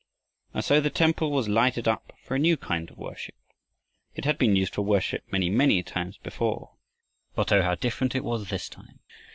And so the temple was lighted up for a new kind of worship. It had been used for worship many, many times before, but oh, how different it was this time!